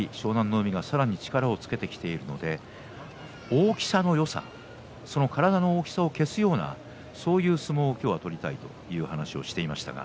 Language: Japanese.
海がさらに力をつけてきているので大きさのよさその体の大きさを消すようなそういう相撲を今日は取りたいという話をしていました。